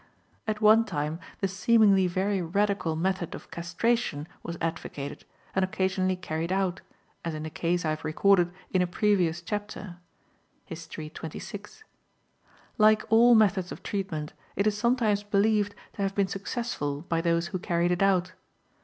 At one time the seemingly very radical method of castration was advocated and occasionally carried out, as in a case I have recorded in a previous chapter (History XXVI). Like all methods of treatment, it is sometimes believed to have been successful by those who carried it out.